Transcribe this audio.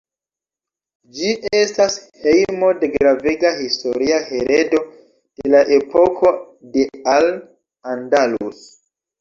Ĝi estas hejmo de gravega historia heredo de la epoko de Al Andalus.